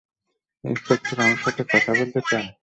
Inspector আপনার সাথে কথা বলতে চায়।